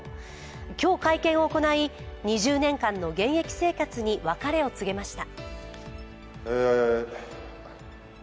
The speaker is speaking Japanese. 今日、会見を行い、２０年間の現役生活に別れを告げました。